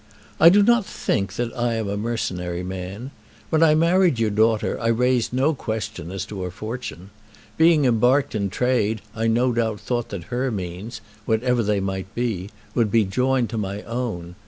I do not think that I am a mercenary man. When I married your daughter I raised no question as to her fortune. Being embarked in trade I no doubt thought that her means, whatever they might be, would be joined to my own.